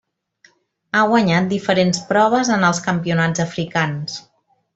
Ha guanyat diferents proves en els Campionats africans.